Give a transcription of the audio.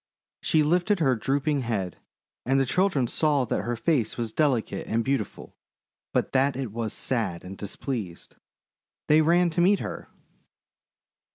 She lifted her drooping head, and the children saw that her face was delicate and beautiful, but that it was sad and displeased. They ran to meet her.